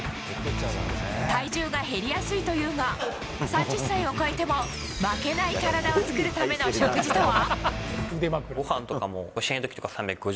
体重が減りやすいというが３０歳を超えても負けない体を作るための食事とは？